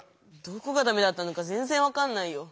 どこがダメだったのかぜんぜん分かんないよ。